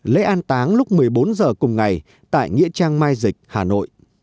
lễ an táng lúc một mươi bốn h cùng ngày tại nghĩa trang mai dịch hà nội